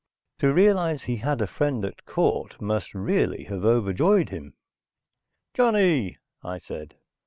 To realize he had a friend at court must really have overjoyed him. "Johnny," I said.